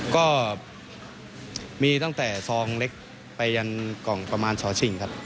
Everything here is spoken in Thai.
ก็มีตั้งแต่ซองเล็กไปยันกล่องประมาณช้อชิงครับ